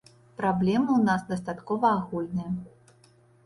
Праблемы ў нас дастаткова агульныя.